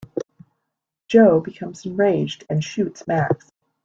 Joe becomes enraged and shoots Max.